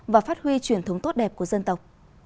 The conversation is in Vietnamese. và phát huy truyền thống tốt đẹp của dân tộc